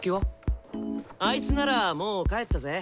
あいつならもう帰ったぜ。